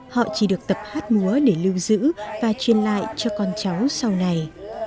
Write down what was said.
họ chỉ được tập hát múa để lưu giữ và truyền lại cho con cháu sau này